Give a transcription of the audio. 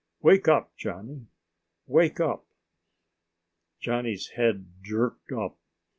"Wake up, Johnny! Wake up!" Johnny's head jerked up.